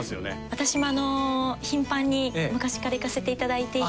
私も頻繁に昔から行かせていただいていて。